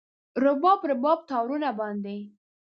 رباب، رباب تارونو باندې